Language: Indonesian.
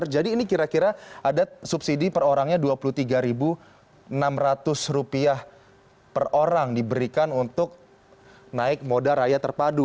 jadi ini kira kira ada subsidi per orangnya rp dua puluh tiga enam ratus per orang diberikan untuk naik moda raya terpadu